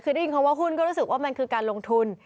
คือได้ยินคำว่าหุ้นก็รู้สึกว่ามันคือการลงทุน